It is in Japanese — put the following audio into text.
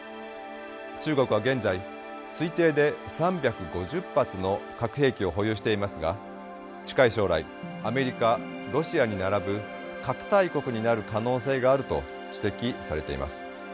中国は現在推定で３５０発の核兵器を保有していますが近い将来アメリカロシアに並ぶ核大国になる可能性があると指摘されています。